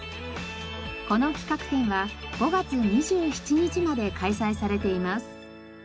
この企画展は５月２７日まで開催されています。